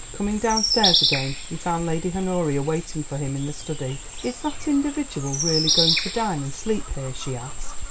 Coming downstairs again he found Lady Honoria waiting for him in the study. "Is that individual really going to dine and sleep here?" she asked.